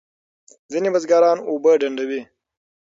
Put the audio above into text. ځینې بزګران اوبه ډنډوي.